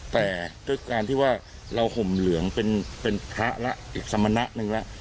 แต่ด้วยการที่ว่าเราห่มเหลืองเป็นพระแล้วอีกสมณะหนึ่งแล้ว